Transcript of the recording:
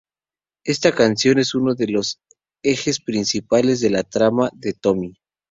Esta canción es uno de los ejes principales de la trama de "Tommy".